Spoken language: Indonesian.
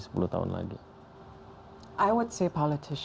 apakah anda menjadi entertainer atau anda adalah politisi